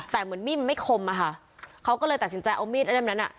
แต่เหมือนมีดมันไม่คมอะค่ะเขาก็เลยตัดสินใจเอามีดเล่มนั้นอ่ะ